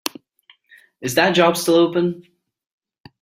Is that job still open?